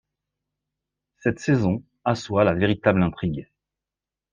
Cette saison assoit la véritable intrigue.